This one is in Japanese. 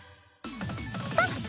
あっ！